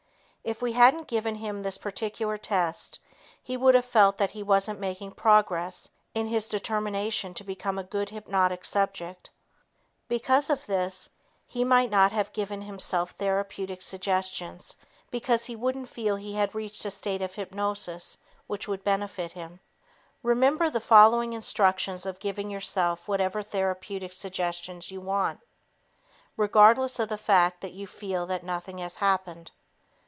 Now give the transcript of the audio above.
If we hadn't given him this particular test, he would have felt that he wasn't making progress in his determination to become a good hypnotic subject. Because of this, he might not have given himself therapeutic suggestions because he would feel he hadn't reached a state of hypnosis which would benefit him. Remember, follow the instructions of giving yourself whatever therapeutic suggestions you want, regardless of the fact that you feel that "nothing has happened."